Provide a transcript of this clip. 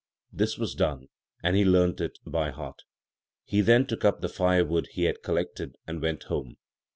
This was done, and he learned it by heart. He then took up the firewood he had collected and went home.